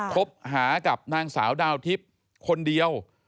คบหากับนางสาวดาวทิพย์คนเดียว